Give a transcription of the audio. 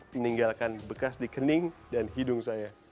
meninggalkan bekas di kening dan hidung saya